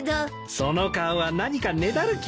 その顔は何かねだる気だな？